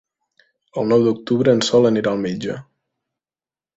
El nou d'octubre en Sol anirà al metge.